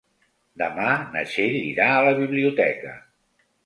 Demà na Txell irà a la biblioteca.